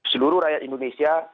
seluruh rakyat indonesia